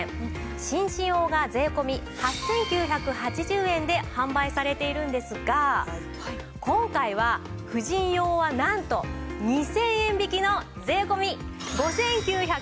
紳士用が税込８９８０円で販売されているんですが今回は婦人用はなんと２０００円引きの税込５９８０円。